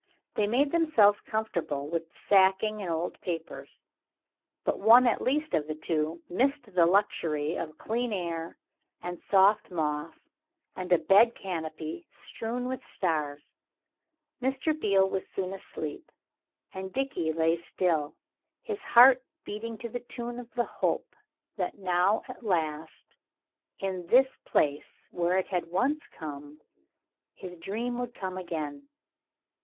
They made themselves comfortable with the sacking and old papers but one at least of the two missed the luxury of clean air and soft moss and a bed canopy strewn with stars. Mr. Beale was soon asleep and Dickie lay still, his heart beating to the tune of the hope that now at last, in this place where it had once come, his dream would come again.